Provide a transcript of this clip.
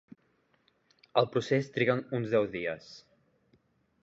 El procés triga uns deu dies.